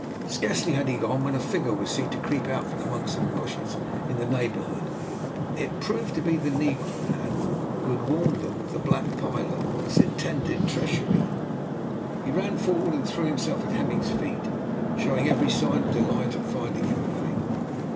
Scarcely had he gone, when a figure was seen to creep out from among some bushes in the neighbourhood. It proved to be the negro lad who had warned them of the black pilot's intended treachery. He ran forward and threw himself at Hemming's feet, showing every sign of delight at finding him again.